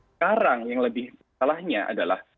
sekarang yang lebih salahnya adalah